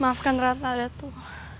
maafkan ratna datuk